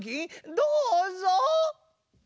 どうぞ。